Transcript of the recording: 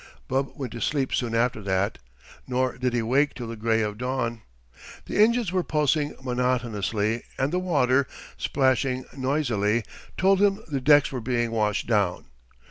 Bub went to sleep soon after that, nor did he wake till the gray of dawn. The engines were pulsing monotonously, and the water, splashing noisily, told him the decks were being washed down.